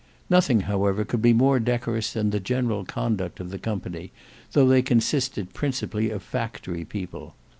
Nothing however could be more decorous than the general conduct of the company, though they consisted principally of factory people.